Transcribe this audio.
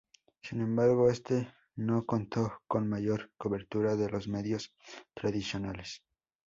Sin embargo este no contó con mayor cobertura de los medios tradicionales.